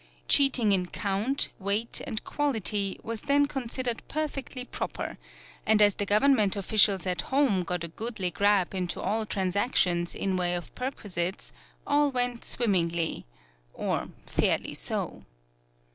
Cheating in count, weight and quality was then considered perfectly proper, and as the Government officials at home got a goodly grab into all transactions in way of perquisites, all went swimmingly or fairly so.